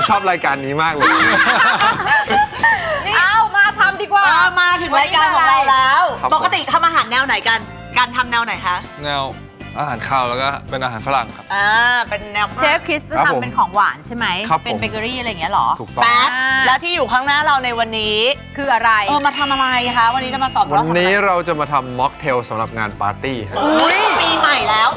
เอ้ามาทำดีกว่าเออมาถึงรายการของเราแล้วครับผมปกติทำอาหารแนวไหนกันกันทำแนวไหนคะแนวอาหารข้าวแล้วก็เป็นอาหารฝรั่งครับอ่าเป็นแนวฝรั่งครับผมเชฟคริสจะทำเป็นของหวานใช่ไหมครับผมเป็นเบเกอรี่อะไรอย่างเงี้ยเหรอถูกต้องแป๊บอ่าแล้วที่อยู่ข้างหน้าเราในวันนี้คืออะไรเออมาทำอะไรคะวันนี้จะมาส